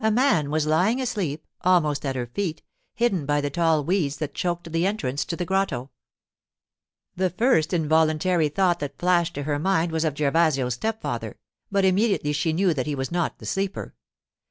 A man was lying asleep, almost at her feet, hidden by the tall weeds that choked the entrance to the grotto. The first involuntary thought that flashed to her mind was of Gervasio's stepfather, but immediately she knew that he was not the sleeper.